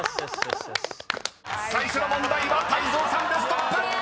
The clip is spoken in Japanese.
［最初の問題は泰造さんでストップ！］